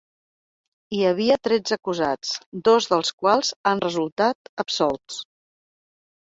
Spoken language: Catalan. Hi havia tretze acusats, dos dels quals han resultat absolts.